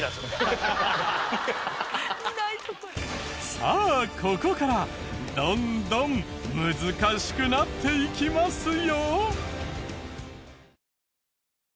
さあここからどんどん難しくなっていきますよ！